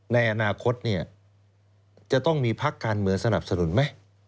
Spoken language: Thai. ในอนาคตจะต้องมีพักการเมืองสนับสนุนไหม